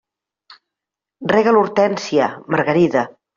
Rega l'hortènsia, Margarida.